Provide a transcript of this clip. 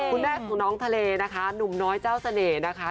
คุณแม่ของน้องทะเลนะคะหนุ่มน้อยเจ้าเสน่ห์นะคะ